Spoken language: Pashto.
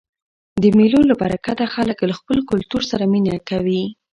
د مېلو له برکته خلک له خپل کلتور سره مینه کوي.